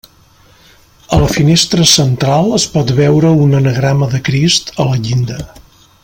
A la finestra central es pot veure un anagrama de Crist a la llinda.